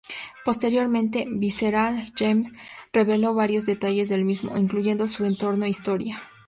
Posteriormente, Visceral Games reveló varios detalles del mismo, incluyendo su entorno e historia.